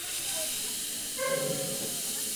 Čolek horský je na pokraji vyhynutí na celém světě.